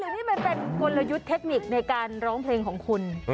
นี่มันเป็นกลยุทธ์เทคนิคในการร้องเพลงของคุณ